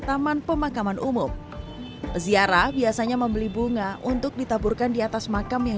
taman pemakaman umum ziarah biasanya membeli bunga untuk ditaburkan diatas makam yang